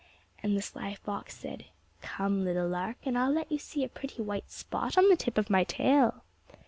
And the sly fox said, "Come, little lark, and I'll let you see a pretty white spot on the tip of my tail."